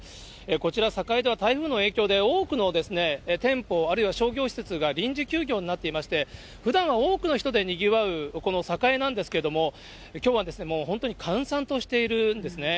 こちら、栄では台風の影響で、多くの店舗、あるいは商業施設が臨時休業になっていまして、ふだんは多くの人でにぎわう、この栄なんですけれども、きょうはもう本当に閑散としているんですね。